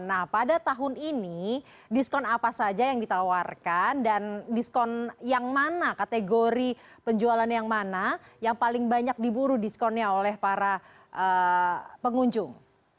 nah pada tahun ini diskon apa saja yang ditawarkan dan diskon yang mana kategori penjualan yang mana yang paling banyak diburu diskonnya oleh para pengunjung